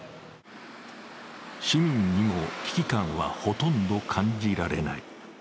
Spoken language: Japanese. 市民にも危機感はほとんど感じられない。